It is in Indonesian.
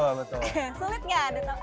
sulit gak adaptasinya